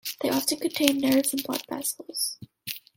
They often contain nerves and blood vessels.